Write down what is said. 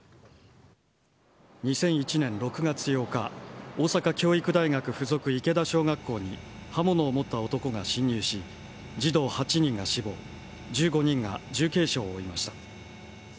２００１年６月８日大阪教育大学附属池田小学校に刃物を持った男が侵入し児童８人が死亡１５人が重軽傷を負いました。